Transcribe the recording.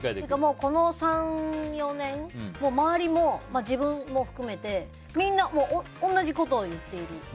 この３４年周りも自分も含めてみんな同じことを言っている。